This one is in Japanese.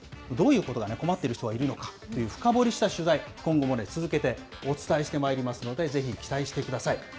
どういうことが困っている人がいるのか、深掘りした取材、今後も続けてお伝えしてまいりますので、ぜひ期待してください。